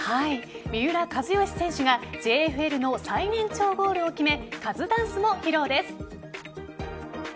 三浦知良選手がＪＦＬの最年長ゴールを決めカズダンスも披露です。